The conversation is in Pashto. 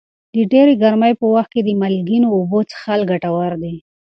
د ډېرې ګرمۍ په وخت کې د مالګینو اوبو څښل ګټور دي.